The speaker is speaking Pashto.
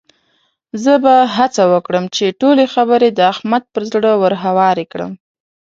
زه به هڅه وکړم چې ټولې خبرې د احمد پر زړه ورهوارې کړم.